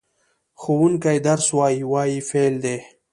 ښوونکی درس وايي – "وايي" فعل دی.